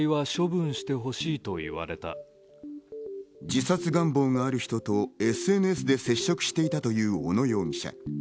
自殺願望がある人とＳＮＳで接触したという小野容疑者。